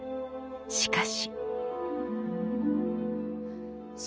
しかし。